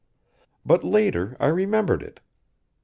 But later, I remembered it.